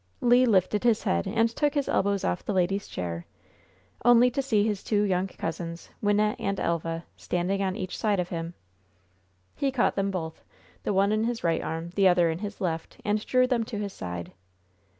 Le lifted his head, and took his elbows off the lady's chair, only to see his two young cousins, Wynnette and Elva, standing on each side of him. He caught them both, the one in his right arm, the other in his left, and drew them to his side.